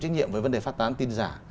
trách nhiệm về vấn đề phát tán tin giả